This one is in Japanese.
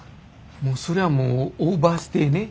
もうそれはもうオーバーステイね。